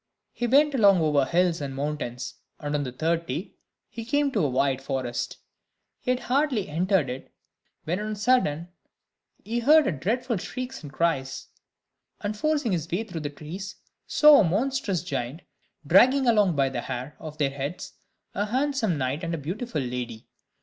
He went along over hills and mountains; and on the third day he came to a wide forest. He had hardly entered it, when on a sudden he heard dreadful shrieks and cries; and forcing his way through the trees, saw a monstrous giant dragging along by the hair of their heads, a handsome knight and a beautiful lady.